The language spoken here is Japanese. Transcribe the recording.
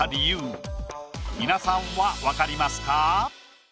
皆さんは分かりますか？